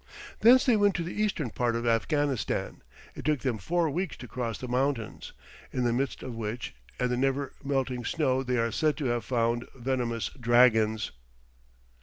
Thence they went to the eastern part of Afghanistan; it took them four weeks to cross the mountains, in the midst of which, and the never melting snow they are said to have found venomous dragons.